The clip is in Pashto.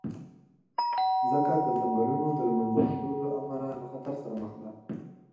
مځکه د ځنګلونو د له منځه تلو له امله له خطر سره مخ ده.